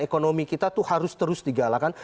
ekonomi kita itu harus terus digalakan